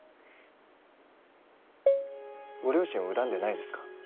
ご両親を恨んでないですか？